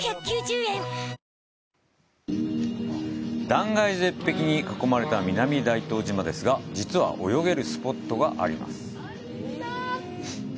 断崖絶壁に囲まれた南大東島ですが、実は泳げるスポットがあります。